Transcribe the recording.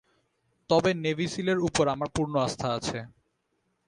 তবে নেভি সীলের ওপর আমার পূর্ণ আস্থা আছে।